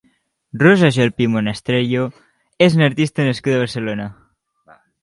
Rosa Gelpí Monasterio és una artista nascuda a Barcelona.